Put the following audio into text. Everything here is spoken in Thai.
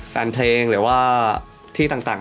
แฟนเพลงหรือว่าที่ต่าง